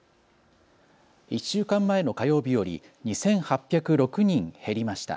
１週間前の火曜日より２８０６人減りました。